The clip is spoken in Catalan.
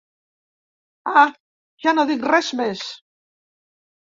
Ah! Ja no dic res més.